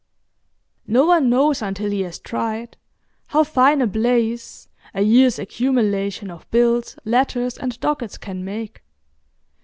No one knows until he has tried how fine a blaze a year's accumulation of bills, letters, and dockets can make.